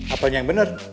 apanya yang bener